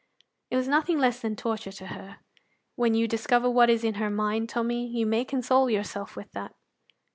It was nothing less than torture to her; when you discover what is in her mind, Tommy, you may console yourself with that.